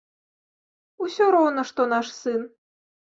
Усё роўна што наш сын.